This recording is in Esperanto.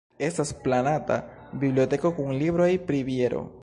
Estas planata biblioteko kun libroj pri biero.